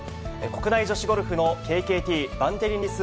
国内女子ゴルフのＫＫＴバンテリンレディス